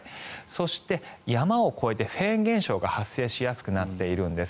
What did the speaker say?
そして、山を越えてフェーン現象が発生しやすくなっているんです。